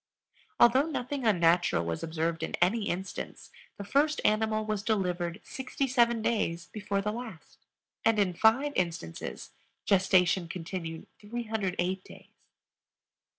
Although nothing unnatural was observed in any instance, the first animal was delivered 67 days before the last, and in 5 instances gestation continued 308 days.